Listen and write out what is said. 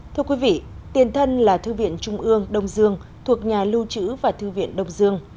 thưa quý vị tiền thân là thư viện trung ương đông dương thuộc nhà lưu trữ và thư viện đông dương